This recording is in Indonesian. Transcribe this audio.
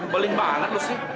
beling banget lu sih